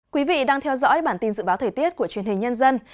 quý vị đang theo dõi bản tin dự báo thời tiết của truyền hình nhân dân